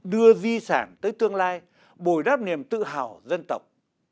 đưa di sản tới tương lai bồi đáp niềm tự hào dân tộc